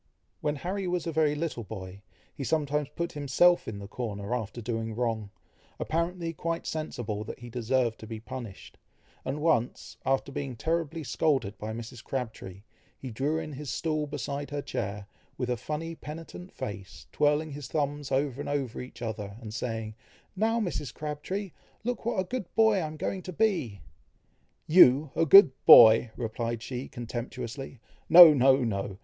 When Harry was a very little boy, he sometimes put himself in the corner, after doing wrong, apparently quite sensible that he deserved to be punished, and once, after being terribly scolded by Mrs. Crabtree, he drew in his stool beside her chair, with a funny penitent face, twirling his thumbs over and over each other, and saying, "Now, Mrs. Crabtree! look what a good boy I am going to be!" "You a good boy!" replied she contemptuously: "No! no!